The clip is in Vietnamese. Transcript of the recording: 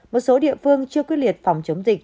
một số địa phương chưa quyết liệt phòng chống dịch